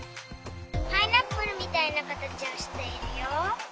パイナップルみたいなかたちをしているよ。